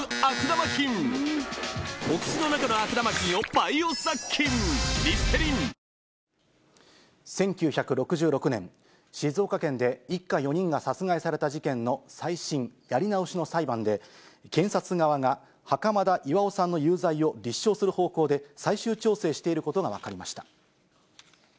ポイントアップデーも１９６６年、静岡県で一家４人が殺害された事件の再審・やり直しの裁判で、検察側が袴田巌さんの有罪を立証する方向で最終調整していることが分かりました。